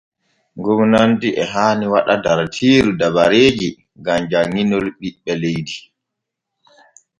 Gomnati e haani waɗa dartiiru dabareeji gam janŋinol ɓiɓɓe leydi.